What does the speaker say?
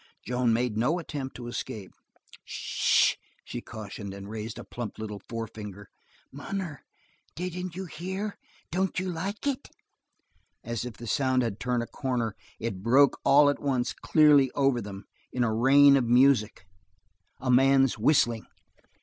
Joan made no attempt to escape. "S sh!" she cautioned, and raised a plump little forefinger. "Munner, don't you hear? Don't you like it?" As if the sound had turned a corner, it broke all at once clearly over them in a rain of music; a man's whistling.